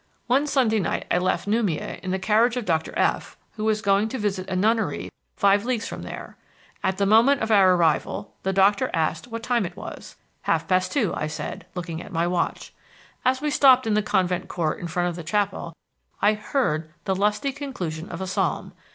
One Sunday night I left Noumea in the carriage of Dr. F...... who was going to visit a nunnery five leagues from there. At the moment of our arrival the doctor asked what time it was. 'Half past two,' I said, looking at my watch. As we stopped in the convent court in front of the chapel I heard the lusty conclusion of a psalm.